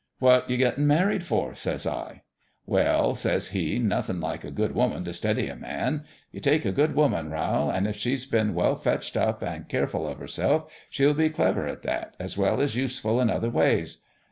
"' What you gettin' married/0r ?' says I. "' Well,' says he, ' nothin' like a good woman t' steady a man. You take a good woman, Rowl, an' if she's been well fetched up an' care ful of herself, she'll be clever at that, as well as useful in other ways.